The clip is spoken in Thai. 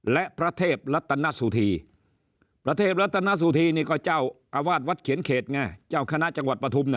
และพระเทพรัตนสุธีพระเทพรัตนสุธีนี่ก็เจ้าอาวาสวัดเขียนเขตไงเจ้าคณะจังหวัดปฐุม